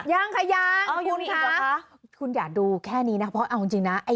ยังค่ะยังขอบคุณค่ะคุณอย่าดูแค่นี้นะเพราะเอาจริงนะ